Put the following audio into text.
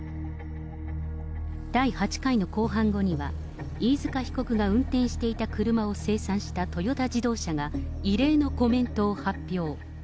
第８回の公判後には、飯塚被告が運転していた車を生産したトヨタ自動車が、異例のコメントを発表。